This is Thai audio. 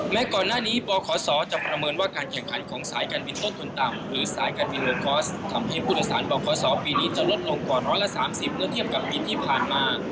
ก่อนหน้านี้บขศจะประเมินว่าการแข่งขันของสายการบินต้นทุนต่ำหรือสายการบินโลคอร์สทำให้ผู้โดยสารบขศปีนี้จะลดลงกว่า๑๓๐เมื่อเทียบกับปีที่ผ่านมา